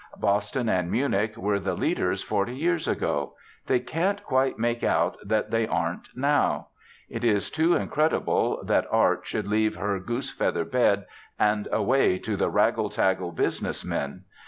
Boston and Munich were the leaders forty years ago. They can't quite make out that they aren't now. It is too incredible that Art should leave her goose feather bed and away to the wraggle taggle business men.